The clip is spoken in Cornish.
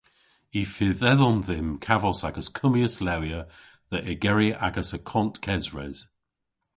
Y fydh edhom dhymm kavos a'gas kummyas lewya dhe ygeri agas akont kesres.